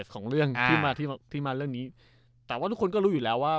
ของเรื่องที่มาที่มาเรื่องนี้แต่ว่าทุกคนก็รู้อยู่แล้วว่า